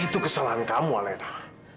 itu kesalahan kamu alena